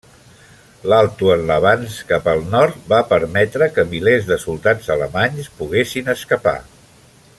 L'alto en l'avanç cap al nord va permetre que milers de soldats alemanys poguessin escapar.